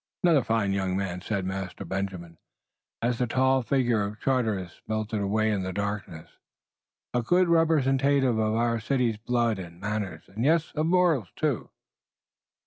"Another fine young man," said Master Benjamin, as the tall figure of Charteris melted away in the darkness. "A good representative of our city's best blood and manners, and yes, of morals, too."